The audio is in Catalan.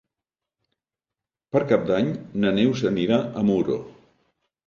Per Cap d'Any na Neus anirà a Muro.